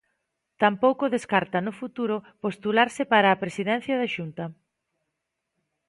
Tampouco descarta, no futuro, postularse para a presidencia da Xunta.